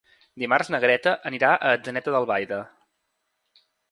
Dimarts na Greta anirà a Atzeneta d'Albaida.